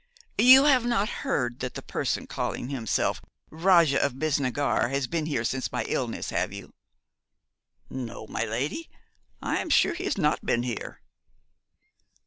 You have not heard that the person calling himself Rajah of Bisnagar has been here since my illness, have you?' 'No, my lady; I am sure he has not been here.'